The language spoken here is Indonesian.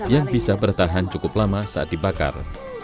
yang bisa bertahan cukup lama saat dibakar